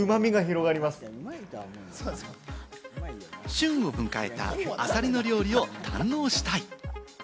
旬を迎えたアサリの料理を堪能したい。